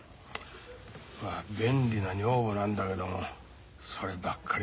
まあ便利な女房なんだけどそればっかりってのもね。